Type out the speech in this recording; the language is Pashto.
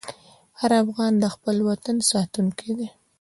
هر افغان د خپل وطن ساتونکی دی.